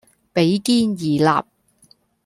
比肩而立